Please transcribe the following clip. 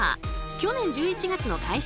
去年１１月の開始以来